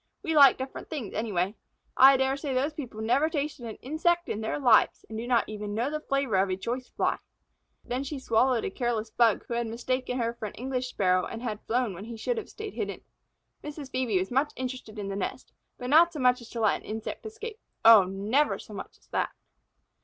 We like different things anyway. I dare say those people never tasted an insect in their lives and do not even know the flavor of a choice Fly." Then she swallowed a careless Bug who had mistaken her for an English Sparrow and flown when he should have stayed hidden. Mrs. Phœbe was much interested in the nest, but not so much as to let an insect escape. Oh, never so much as that!